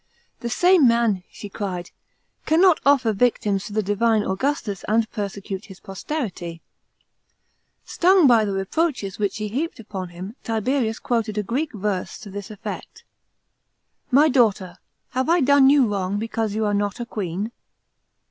" The same man," she cried, " cannot offer victims to the divine Augustus, and persecute his posterity." Stung by the reproaches which she heaped upon him, Tiberius quoted a Greek verse to this effect :" My daughter, have I done you wrong, because you are not a queen?"